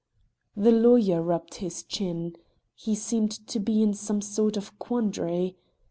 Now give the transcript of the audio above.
The lawyer rubbed his chin. He seemed to be in some sort of quandary.